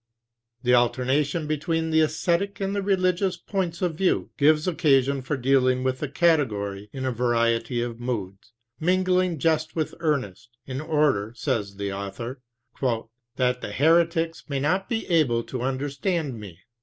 The alternation between the esthetic and the religious points of view gives occasion for dealing with the category in a variety of moods, mingling jest with earnest; in order, says the author, "that the heretics may not be able to understand me."